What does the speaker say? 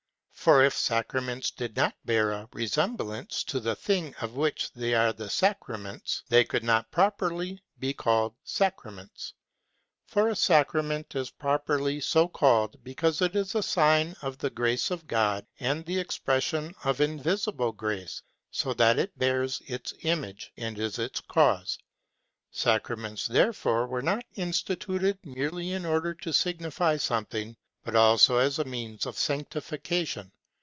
"For if sacraments did not bear a re semblance to the things of which they are the sacraments, they could not properly be called sacraments." For a sacrament is properly so called, because it is a sign of the grace of God and the expression of invisible grace, so that it bears its image and is its cause. Sacra ments, therefore, were not instituted merely in order to signify some thing, but also as a means of sanctification.